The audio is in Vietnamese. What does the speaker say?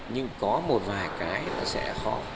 nhưng có một vài cái nó sẽ khó